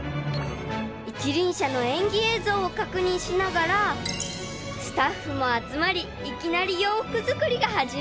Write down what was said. ［一輪車の演技映像を確認しながらスタッフも集まりいきなり］